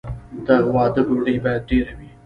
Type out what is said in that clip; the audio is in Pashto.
د واده ډوډۍ باید ډیره وي.